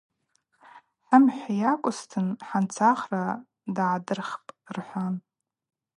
Хӏымхӏв йакӏвызтын хӏанцахра дыгӏдырхпӏ, – рхӏван.